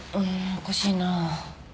おかしいなぁ。